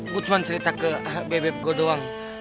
gue cuman cerita ke bebek gue doang